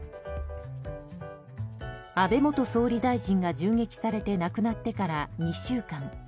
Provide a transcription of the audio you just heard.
安倍元総理大臣が銃撃されて亡くなってから２週間。